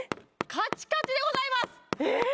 カチカチでございますえっ？